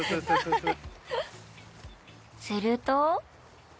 すると？